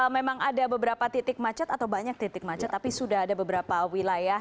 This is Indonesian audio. memang ada beberapa titik macet atau banyak titik macet tapi sudah ada beberapa wilayah